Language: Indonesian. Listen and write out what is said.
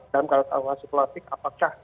dalam kata awal psikologis apakah